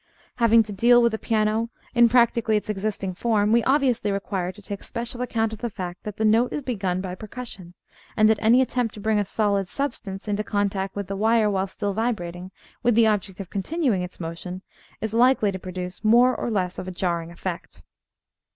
Having to deal with a piano in practically its existing form, we obviously require to take special account of the fact that the note is begun by percussion, and that any attempt to bring a solid substance into contact with the wire while still vibrating, with the object of continuing its motion, is likely to produce more or less of a jarring effect.